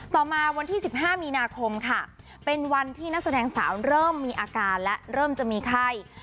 ต่อมาวันที่๑๕มีนาคมค่ะเป็นวันที่นักแสดงสาวเริ่มมีอาการและเริ่มจะมีไข้